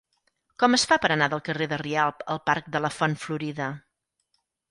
Com es fa per anar del carrer de Rialb al parc de la Font Florida?